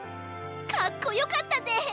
かっこよかったぜ。